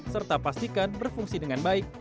serta pastikan berfungsi dengan baik